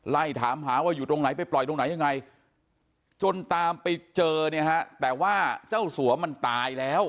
ไล่ถามหาว่าอยู่ตรงไหนไปปล่อยตรงไหนยังไงจนตามไปเจอเนี่ยฮะแต่ว่าเจ้าสัวมันตายแล้ว